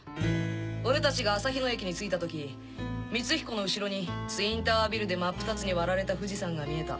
俺たちがあさひ野駅に着いた時光彦の後ろにツインタワービルで真っ二つに割られた富士山が見えた。